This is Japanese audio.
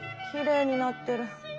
きれいになってる。